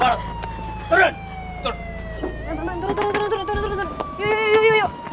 turun turun turun